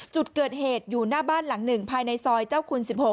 จุดเกิดเหตุอยู่หน้าบ้านหลัง๑ภายในซอยเจ้าคุณ๑๖